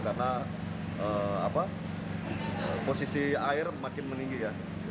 karena posisi air makin meninggi ya